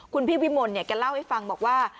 คุณพี่วิมลเนี่ยแกเล่าให้ฟังบอกว่า